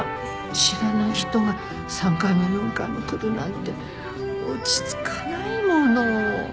知らない人が３回も４回も来るなんて落ち着かないもの。